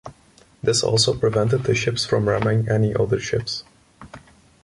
This also prevented the ships from ramming any other ships.